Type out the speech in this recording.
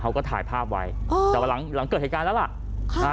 เขาก็ถ่ายภาพไว้แต่ว่าหลังเหตุการณ์แล้วล่ะค่ะ